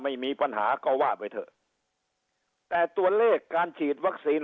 ไม่มีปัญหาก็ว่าไปเถอะแต่ตัวเลขการฉีดวัคซีน